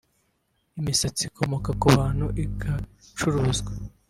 Imisatsi ikomoka ku bantu igacuruzwa